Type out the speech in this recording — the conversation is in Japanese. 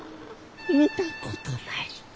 見たことないき。